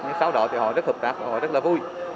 nhưng sau đó thì họ rất hợp tác và họ rất là vui